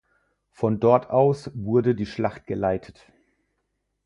Von dort aus wurde die Schlacht geleitet.